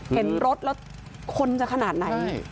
เห็นรถแล้วคนจะขนาดไหน